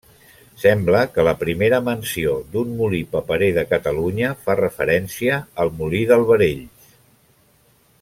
Sembla que la primera menció d'un molí paperer de Catalunya fa referència al molí d'Albarells.